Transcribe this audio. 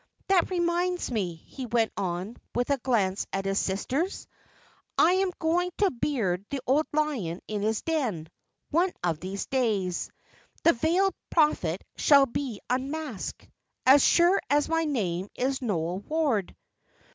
That reminds me," he went on, with a glance at his sisters, "I am going to beard the old lion in his den, one of these days. The Veiled Prophet shall be unmasked, as sure as my name is Noel Ward."